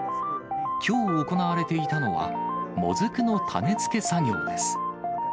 きょう行われていたのは、もずくの種付け作業です。